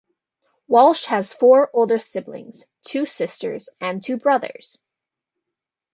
Walsh has four older siblings: two sisters and two brothers.